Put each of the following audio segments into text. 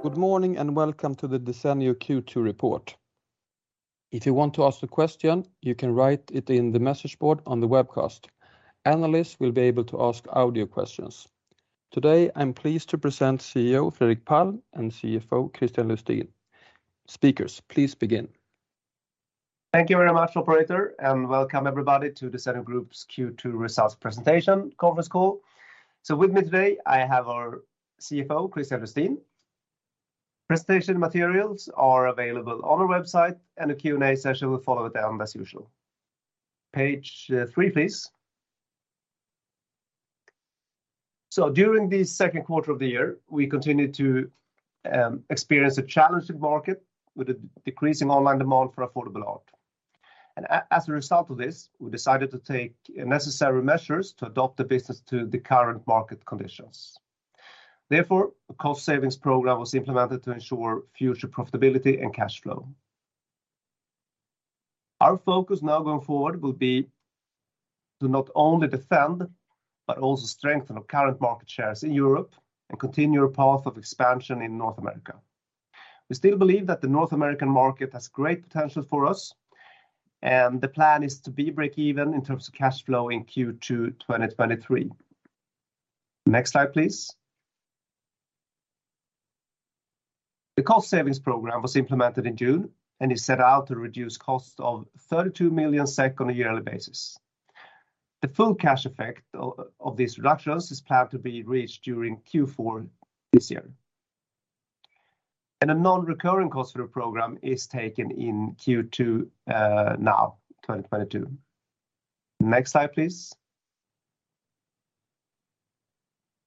Good morning, welcome to the Desenio Q2 report. If you want to ask a question, you can write it in the message board on the webcast. Analysts will be able to ask audio questions. Today, I'm pleased to present CEO Fredrik Palm and CFO Kristian Lustin. Speakers, please begin. Thank you very much, operator, and welcome everybody to Desenio Group's Q2 results presentation conference call. With me today, I have our CFO, Kristian Lustin. Presentation materials are available on our website, and a Q&A session will follow them as usual. Page three, please. During the second quarter of the year, we continued to experience a challenging market with a decreasing online demand for affordable art. As a result of this, we decided to take necessary measures to adapt the business to the current market conditions. Therefore, a cost savings program was implemented to ensure future profitability and cash flow. Our focus now going forward will be to not only defend but also strengthen our current market shares in Europe and continue our path of expansion in North America. We still believe that the North American market has great potential for us, and the plan is to be breakeven in terms of cash flow in Q2 2023. Next slide, please. The cost savings program was implemented in June and is set out to reduce costs of 32 million SEK on a yearly basis. The full cash effect of these reductions is planned to be reached during Q4 this year. A non-recurring cost save program is taken in Q2, now, 2022. Next slide, please.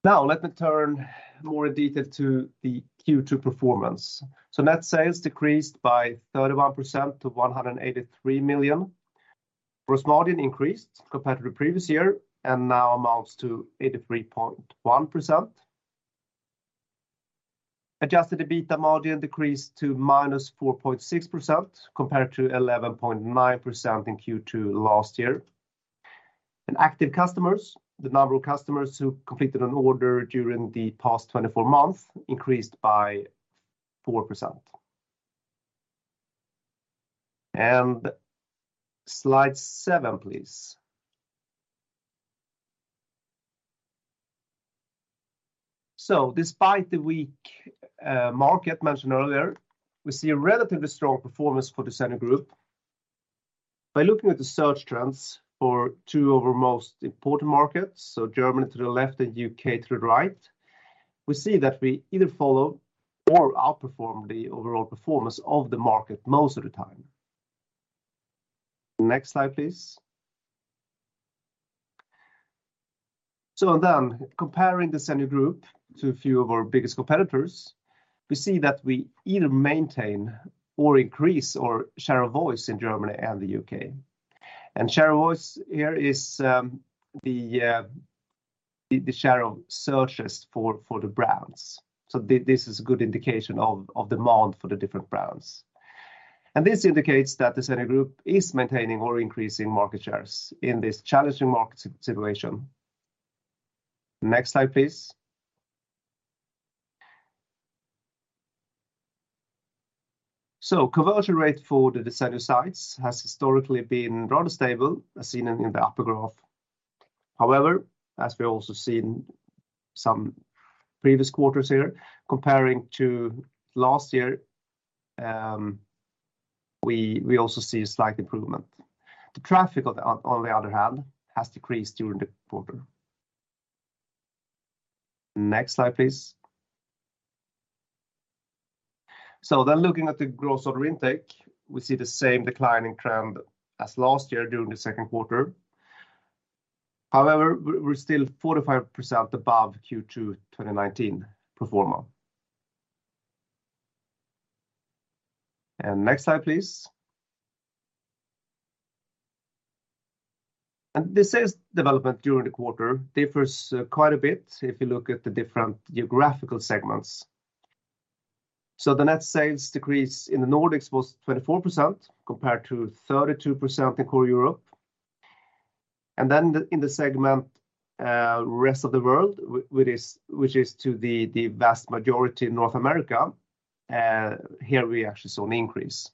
Now, let me turn more in detail to the Q2 performance. Net sales decreased by 31% to 183 million. Gross margin increased compared to the previous year and now amounts to 83.1%. Adjusted EBITDA margin decreased to -4.6% compared to 11.9% in Q2 last year. Active customers, the number of customers who completed an order during the past 24 months increased by 4%. Slide seven, please. Despite the weak market mentioned earlier, we see a relatively strong performance for Desenio Group. By looking at the search trends for two of our most important markets, so Germany to the left and U.K. to the right, we see that we either follow or outperform the overall performance of the market most of the time. Next slide, please. Comparing Desenio Group to a few of our biggest competitors, we see that we either maintain or increase our share of voice in Germany and the U.K. Share of voice here is the share of searches for the brands. This is a good indication of demand for the different brands. This indicates that Desenio Group is maintaining or increasing market shares in this challenging market situation. Next slide, please. Conversion rate for the Desenio sites has historically been rather stable, as seen in the upper graph. However, as we also see in some previous quarters here, comparing to last year, we also see a slight improvement. The traffic on the other hand has decreased during the quarter. Next slide, please. Looking at the gross order intake, we see the same declining trend as last year during the second quarter. However, we're still 45% above Q2 2019 pro forma. Next slide, please. The sales development during the quarter differs quite a bit if you look at the different geographical segments. The net sales decrease in the Nordics was 24% compared to 32% in core Europe. Then in the segment, rest of the world, which is the vast majority in North America, here we actually saw an increase.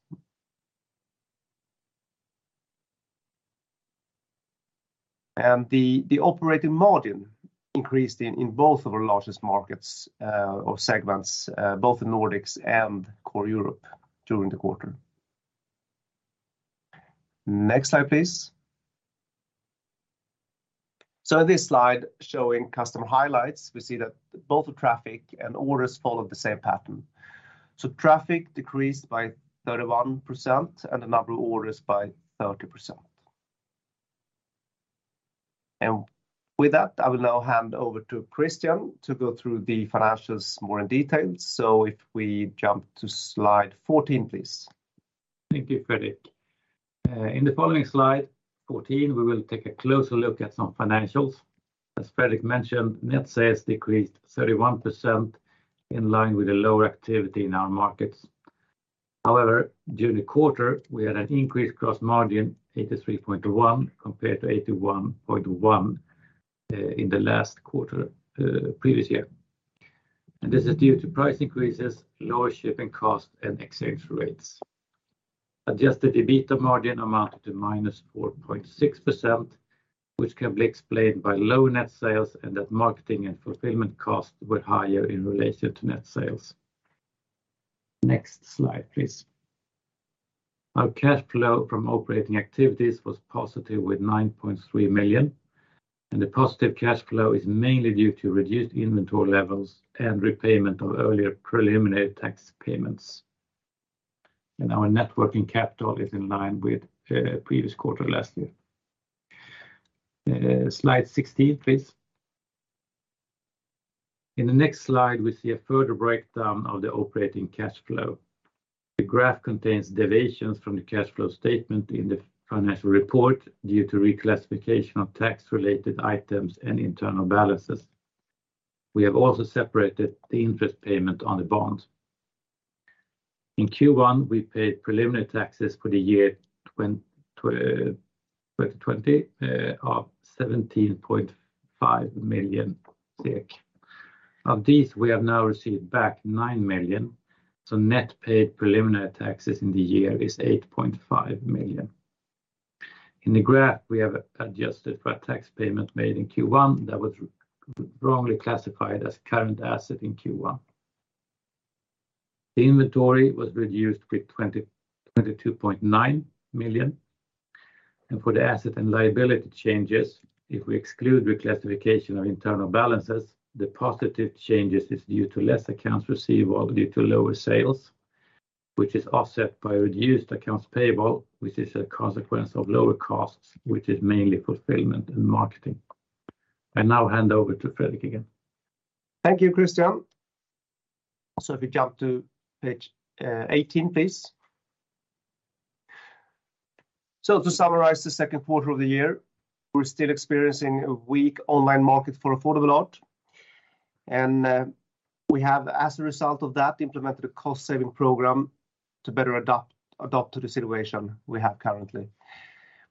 The operating margin increased in both of our largest markets or segments, both the Nordics and core Europe during the quarter. Next slide, please. In this slide showing customer highlights, we see that both the traffic and orders followed the same pattern. Traffic decreased by 31% and the number of orders by 30%. With that, I will now hand over to Kristian to go through the financials more in detail. If we jump to slide 14, please. Thank you, Fredrik. In the following slide 14, we will take a closer look at some financials. As Fredrik mentioned, net sales decreased 31% in line with the lower activity in our markets. However, during the quarter, we had an increased gross margin, 83.1% compared to 81.1% in the last quarter, previous year. This is due to price increases, lower shipping costs, and exchange rates. Adjusted EBITA margin amounted to -4.6%, which can be explained by low net sales and that marketing and fulfillment costs were higher in relation to net sales. Next slide, please. Our cash flow from operating activities was positive with 9.3 million, and the positive cash flow is mainly due to reduced inventory levels and repayment of earlier preliminary tax payments. Our net working capital is in line with previous quarter last year. Slide 16, please. In the next slide, we see a further breakdown of the operating cash flow. The graph contains deviations from the cash flow statement in the financial report due to reclassification of tax-related items and internal balances. We have also separated the interest payment on the bonds. In Q1, we paid preliminary taxes for the year 2020 of 17.5 million. Of these, we have now received back 9 million, so net paid preliminary taxes in the year is 8.5 million. In the graph, we have adjusted for a tax payment made in Q1 that was wrongly classified as current asset in Q1. The inventory was reduced with 22.9 million. For the asset and liability changes, if we exclude reclassification of internal balances, the positive changes is due to less accounts receivable due to lower sales, which is offset by reduced accounts payable, which is a consequence of lower costs, which is mainly fulfillment and marketing. I now hand over to Fredrik again. Thank you, Kristian. If we jump to page 18, please. To summarize the second quarter of the year, we're still experiencing a weak online market for affordable art. We have, as a result of that, implemented a cost-saving program to better adapt to the situation we have currently.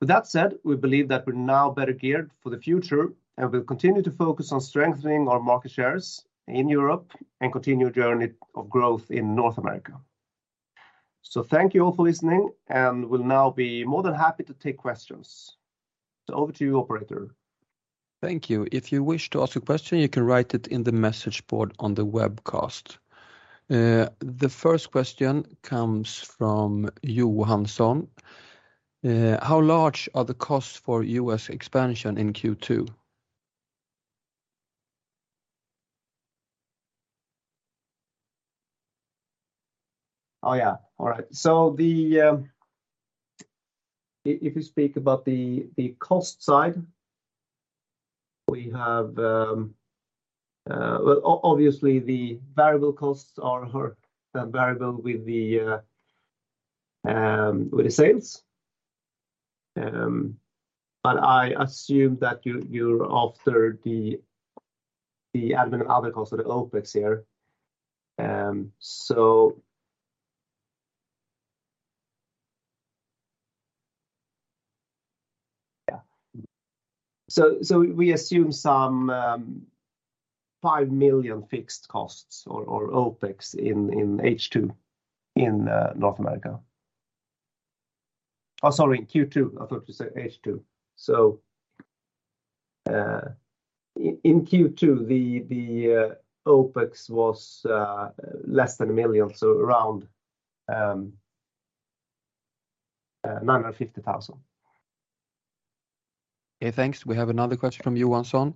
With that said, we believe that we're now better geared for the future, and we'll continue to focus on strengthening our market shares in Europe and continue our journey of growth in North America. Thank you all for listening, and we'll now be more than happy to take questions. Over to you, operator. Thank you. If you wish to ask a question, you can write it in the message board on the webcast. The first question comes from Johan Roslund. How large are the costs for U.S. expansion in Q2? Oh, yeah. All right. If you speak about the cost side, well, obviously, the variable costs are variable with the sales. I assume that you're after the admin and other costs of the OpEx here. We assume some 5 million fixed costs or OpEx in H2 in North America. Oh, sorry, in Q2. I thought you said H2. In Q2, the OpEx was less than 1 million, so around 950,000. Okay, thanks. We have another question from Johan Roslund.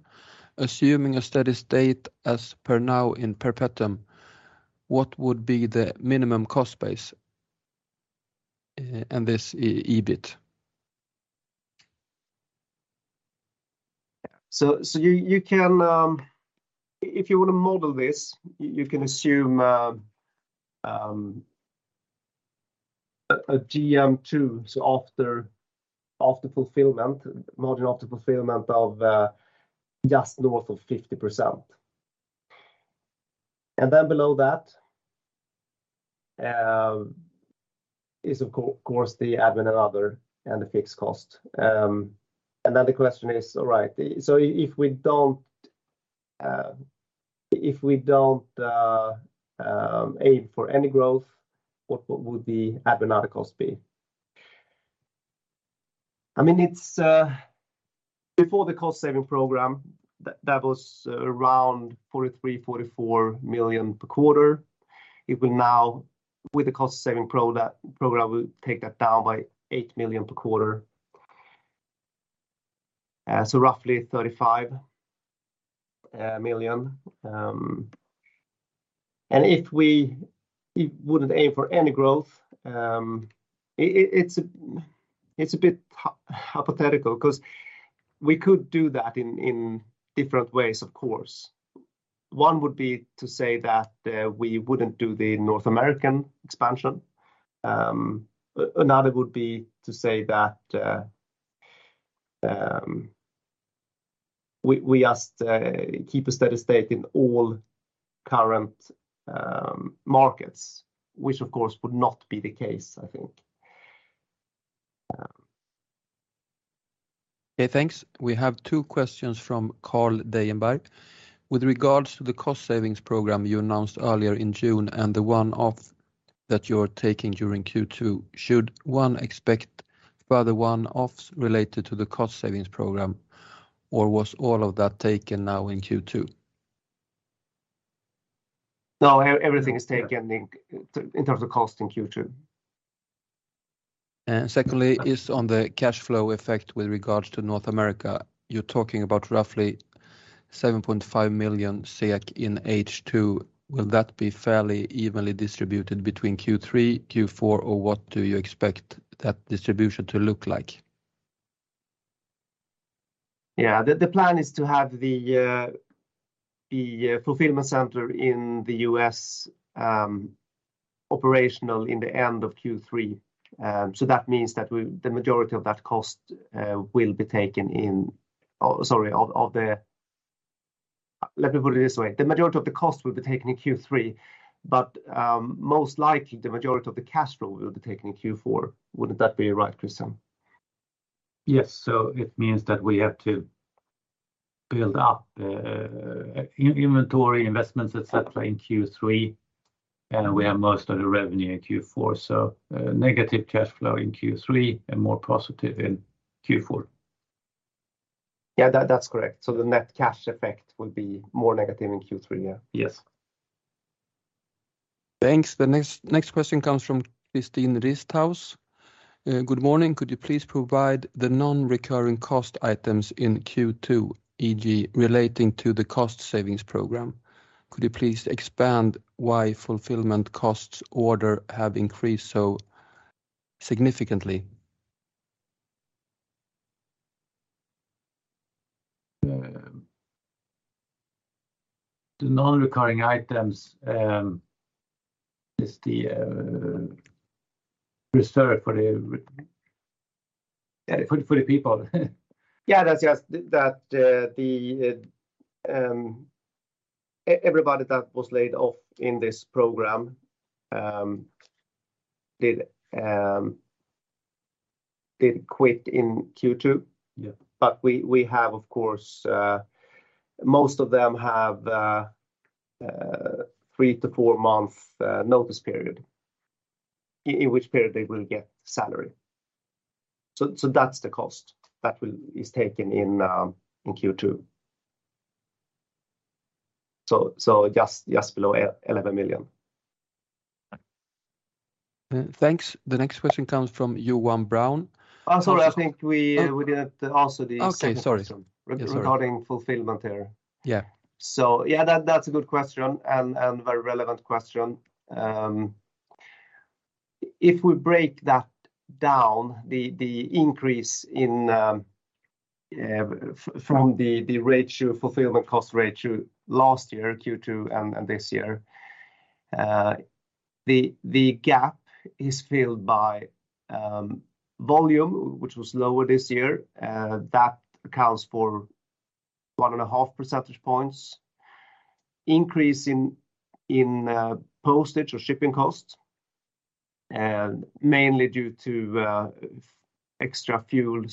Assuming a steady state as per now in perpetuum, what would be the minimum cost base in this EBIT? If you want to model this, you can assume a GM, too, so after fulfillment margin of just north of 50%. Then below that is of course the admin and other and the fixed cost. Then the question is, if we don't aim for any growth, what would the admin and other costs be? I mean, it's before the cost-saving program, that was around 43 million-44 million per quarter. It will now, with the cost-saving program, take that down by 8 million per quarter. Roughly 35 million. If we wouldn't aim for any growth, it's a bit hypothetical because we could do that in different ways, of course. One would be to say that we wouldn't do the North American expansion. Another would be to say that we keep a steady state in all current markets, which of course would not be the case, I think. Okay, thanks. We have two questions from Carl Deijenberg. With regards to the cost savings program you announced earlier in June and the one-off that you're taking during Q2, should one expect further one-offs related to the cost savings program, or was all of that taken now in Q2? No, everything is taken in terms of cost in Q2. Secondly, is on the cash flow effect with regards to North America. You're talking about roughly 7.5 million in H2. Will that be fairly evenly distributed between Q3, Q4, or what do you expect that distribution to look like? Yeah. The plan is to have the fulfillment center in the U.S. operational in the end of Q3. That means the majority of the cost will be taken in Q3, but most likely, the majority of the cash flow will be taken in Q4. Wouldn't that be right, Kristian? Yes. It means that we have to build up, inventory investments, etc., in Q3, and we have most of the revenue in Q4. Negative cash flow in Q3 and more positive in Q4. Yeah, that's correct. The net cash effect will be more negative in Q3. Yeah. Yes. Thanks. The next question comes from Kristin Risthaus. Good morning. Could you please provide the non-recurring cost items in Q2, e.g., relating to the cost savings program? Could you please expand why fulfillment costs order have increased so significantly? The non-recurring items is the reserve for the people. That's just that everybody that was laid off in this program did quit in Q2. Yeah. We have of course most of them have 3-4 month notice period in which period they will get salary. That's the cost that is taken in Q2. Just below SEK 11 million. Thanks. The next question comes from Johan Brown. Okay, sorry. Regarding fulfillment error. Yeah. Yeah, that's a good question and very relevant question. If we break that down, the increase in the fulfillment cost ratio from last year, Q2, and this year, the gap is filled by volume, which was lower this year. That accounts for 1.5 percentage points increase in postage or shipping costs, mainly due to extra fuel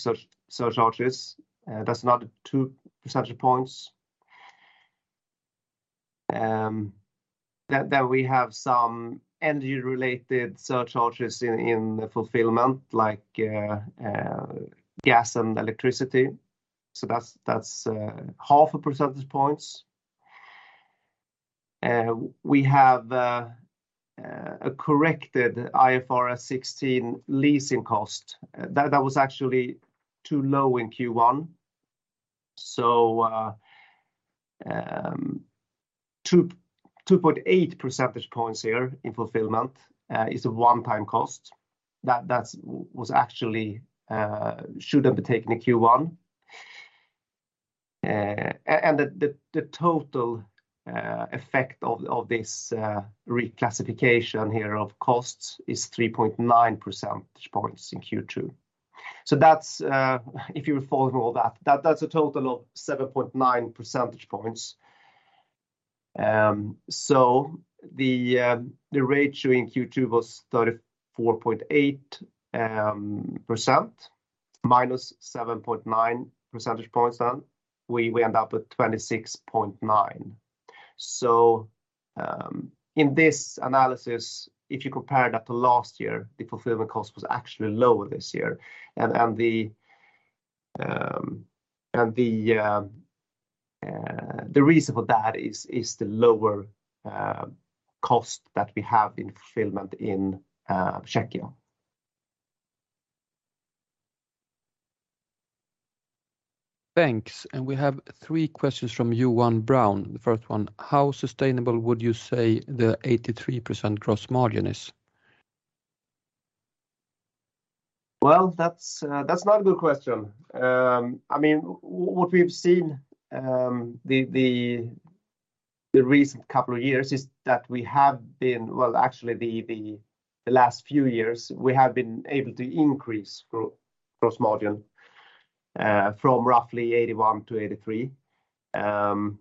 surcharges. That's another 2 percentage points. Then we have some energy-related surcharges in the fulfillment, like gas and electricity. That's 0.5 percentage points. We have a corrected IFRS 16 leasing cost that was actually too low in Q1. 2.8 percentage points here in fulfillment is a one-time cost that was actually should have been taken in Q1. The total effect of this reclassification here of costs is 3.9 percentage points in Q2. That's if you follow all that's a total of 7.9 percentage points. The ratio in Q2 was 34.8% -7.9 percentage points. We end up with 26.9. In this analysis, if you compare that to last year, the fulfillment cost was actually lower this year. The reason for that is the lower cost that we have in fulfillment in Czechia. Thanks. We have three questions from Johan Brown. The first one, how sustainable would you say the 83% gross margin is? Well, that's not a good question. I mean, what we've seen the last few years is that we have been able to increase gross margin from roughly 81%-83%.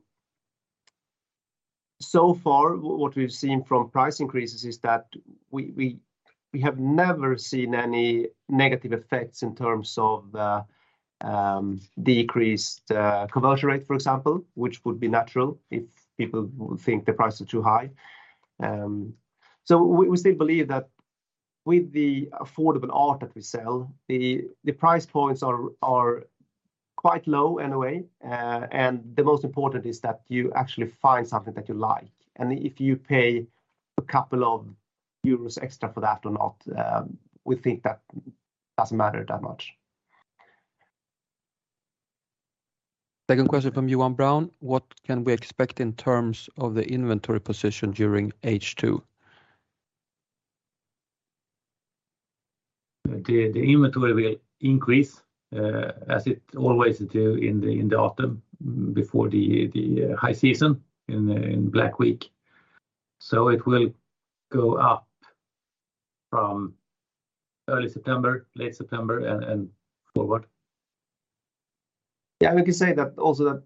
So far, what we've seen from price increases is that we have never seen any negative effects in terms of decreased conversion rate, for example, which would be natural if people would think the price is too high. We still believe that with the affordable art that we sell, the price points are quite low in a way. The most important is that you actually find something that you like. If you pay a couple of euros extra for that or not, we think that doesn't matter that much. Second question from Johan Brown: What can we expect in terms of the inventory position during H2? The inventory will increase as it always do in the autumn before the high season in Black Week. It will go up from early September, late September and forward. Yeah. We can say that also,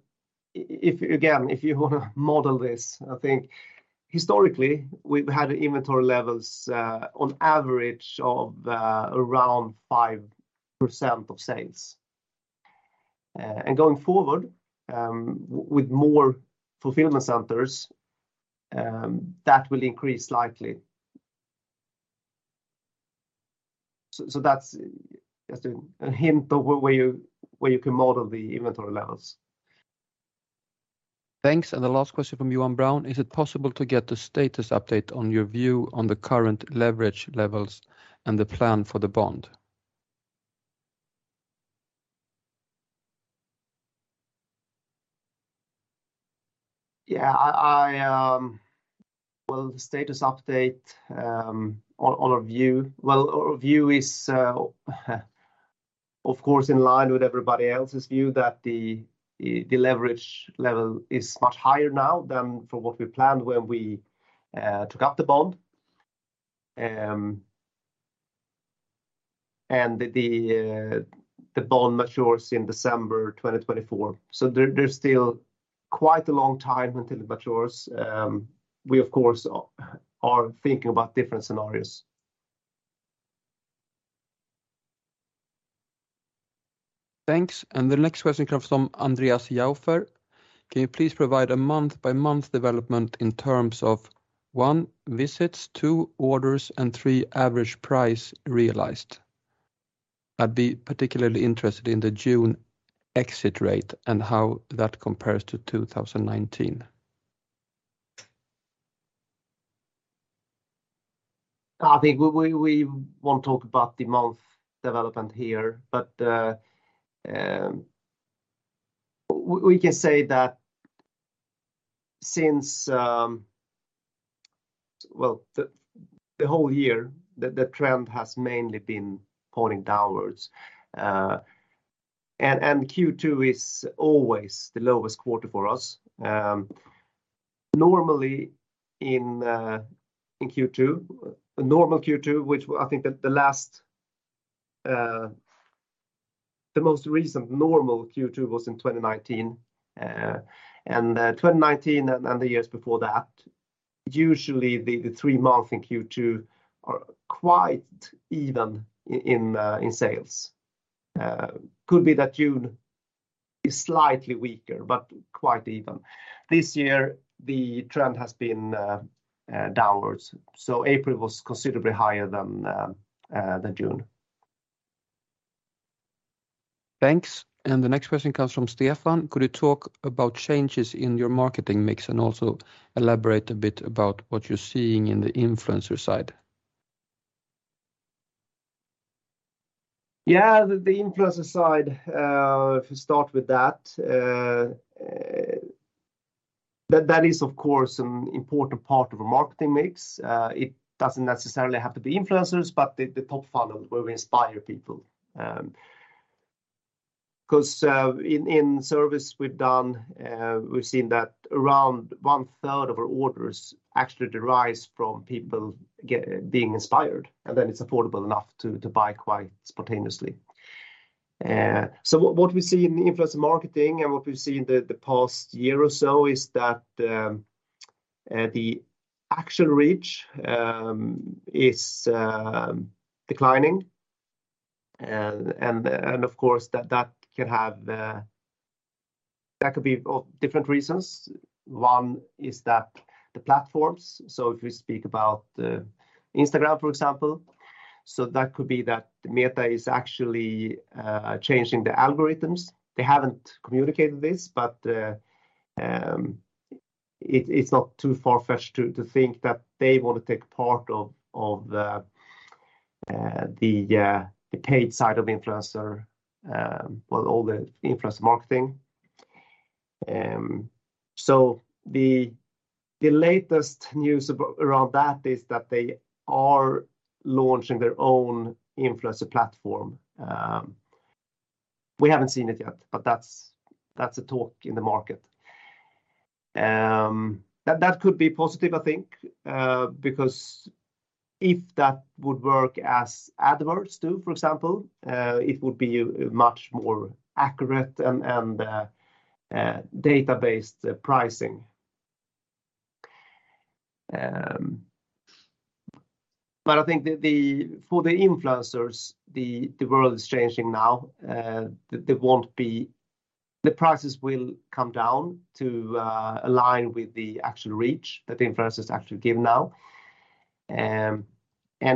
if, again, if you wanna model this, I think historically we've had inventory levels on average of around 5% of sales. Going forward, with more fulfillment centers, that will increase slightly. That's just a hint of where you can model the inventory levels. Thanks. The last question from Johan Brown: Is it possible to get a status update on your view on the current leverage levels and the plan for the bond? Yeah. Well, the status update on our view, well, our view is of course in line with everybody else's view that the leverage level is much higher now than for what we planned when we took out the bond. The bond matures in December 2024. There's still quite a long time until it matures. We of course are thinking about different scenarios. Thanks. The next question comes from Andreas Jaufer: Can you please provide a month-by-month development in terms of, one, visits, two, orders, and three, average price realized? I'd be particularly interested in the June exit rate and how that compares to 2019. I think we won't talk about the monthly development here, but we can say that since well the whole year the trend has mainly been pointing downwards. Q2 is always the lowest quarter for us. Normally in Q2, a normal Q2, which I think the last, the most recent normal Q2 was in 2019. 2019 and the years before that, usually the three months in Q2 are quite even in sales. Could be that June is slightly weaker, but quite even. This year the trend has been downwards, so April was considerably higher than June. Thanks. The next question comes from Stefan: Could you talk about changes in your marketing mix and also elaborate a bit about what you're seeing in the influencer side? Yeah. The influencer side, if you start with that is of course an important part of a marketing mix. It doesn't necessarily have to be influencers, but the top funnel where we inspire people. 'Cause in surveys we've done, we've seen that around 1/3 of our orders actually derives from people being inspired, and then it's affordable enough to buy quite spontaneously. So what we see in influencer marketing and what we've seen the past year or so is that the actual reach is declining. Of course that can have different reasons. That could be, well, different reasons. One is that the platforms, if we speak about Instagram, for example, that could be that Meta is actually changing the algorithms. They haven't communicated this, but it's not too far-fetched to think that they want to take part of the paid side of influencer well all the influencer marketing. The latest news around that is that they are launching their own influencer platform. We haven't seen it yet, but that's a talk in the market. That could be positive, I think, because if that would work as ads do, for example, it would be a much more accurate and data-based pricing. I think for the influencers, the world is changing now. The prices will come down to align with the actual reach that influencers actually give now.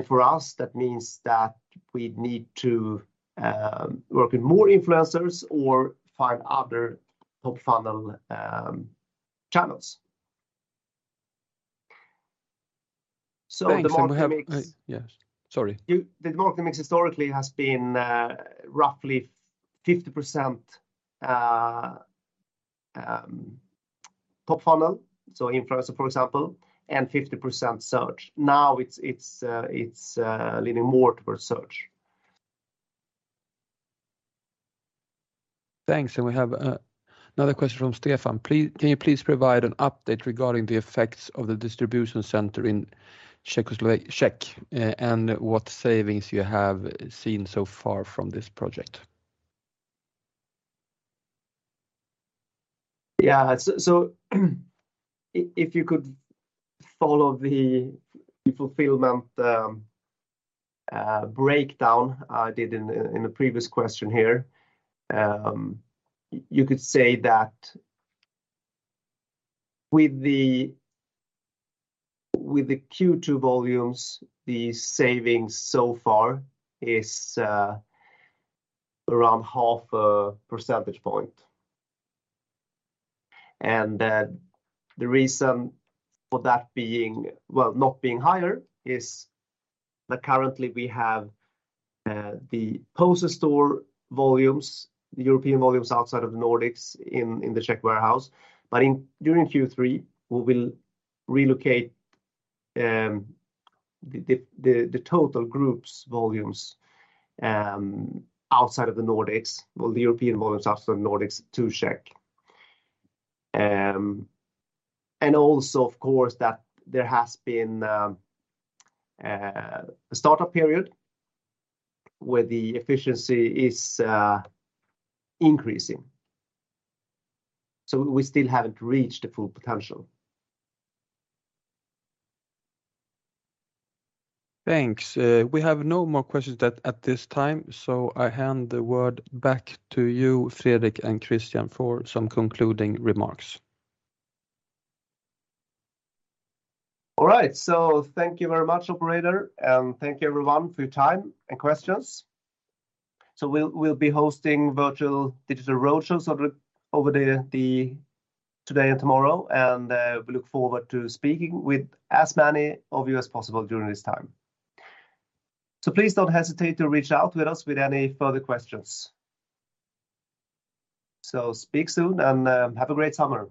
For us, that means that we'd need to work with more influencers or find other top funnel channels. Yes. Sorry. The marketing mix historically has been roughly 50% top funnel, so influencer for example, and 50% search. Now it's leaning more towards search. Thanks. We have another question from Stefan. "Can you please provide an update regarding the effects of the distribution center in Czech, and what savings you have seen so far from this project? Yeah. If you could follow the fulfillment breakdown I did in the previous question here, you could say that with the Q2 volumes, the savings so far is around half a percentage point. The reason for that being, well, not being higher is that currently we have the Poster Store volumes, the European volumes outside of the Nordics in the Czech warehouse. During Q3, we will relocate the total groups volumes outside of the Nordics, well, the European volumes outside the Nordics to Czech. Also of course that there has been a startup period where the efficiency is increasing. We still haven't reached the full potential. Thanks. We have no more questions at this time, so I hand the word back to you, Fredrik and Kristian, for some concluding remarks. All right. Thank you very much operator, and thank you everyone for your time and questions. We'll be hosting virtual digital roadshows over today and tomorrow, and we look forward to speaking with as many of you as possible during this time. Please don't hesitate to reach out to us with any further questions. Speak soon and have a great summer.